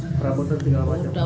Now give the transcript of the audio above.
rabu rabu tinggal apa